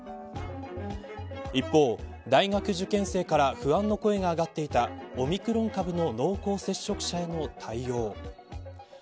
一方、大学受験生から不安の声が上がっていたオミクロン株の濃厚接触者への対応。